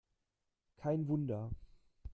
Kein Wunder!